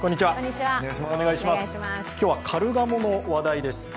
今日はカルガモの話題です。